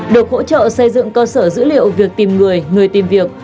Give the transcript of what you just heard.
được hỗ trợ xây dựng cơ sở dữ liệu việc tìm người người tìm việc